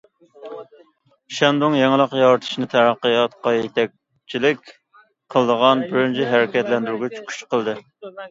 شەندۇڭ يېڭىلىق يارىتىشنى تەرەققىياتقا يېتەكچىلىك قىلىدىغان بىرىنچى ھەرىكەتلەندۈرگۈچ كۈچ قىلدى.